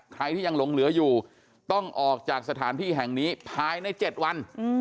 ใครที่ยังหลงเหลืออยู่ต้องออกจากสถานที่แห่งนี้ภายใน๗วัน